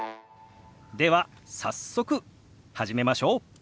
では早速始めましょう。